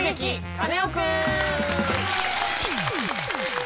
カネオくん」！